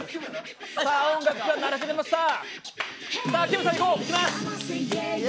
音楽が流されました。